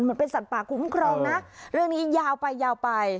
มันเป็นสัตว์ป่าคุ้มครองนะเรื่องนี้ยาวไปยาวไป